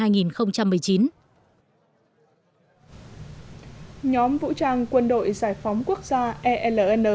nhóm vũ trang quân đội giải phóng quốc gia el